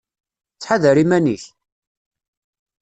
Ttḥadar iman-ik!